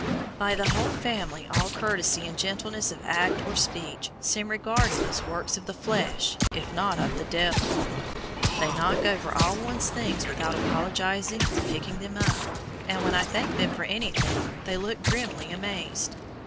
By the whole family all courtesy and gentleness of act or speech seem regarded as "works of the flesh," if not of "the devil." They knock over all one's things without apologizing or picking them up, and when I thank them for anything they look grimly amazed.